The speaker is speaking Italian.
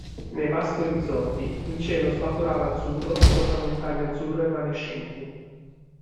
Nei vasti orizzonti il cielo svaporava azzurro sopra montagne azzurre evanescenti.